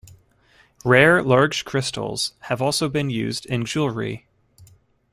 Rare large crystals have also been used in jewelry.